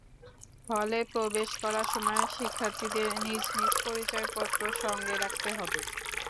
হলে প্রবেশ করার সময় শিক্ষার্থীদের নিজ নিজ পরিচয়পত্র সঙ্গে রাখতে হবে।